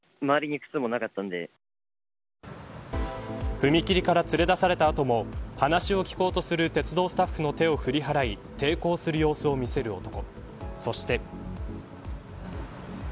踏切から連れ出された後も話を聞こうとする鉄道スタッフの手を振り払い抵抗する様子を見せる男。